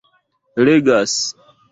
legas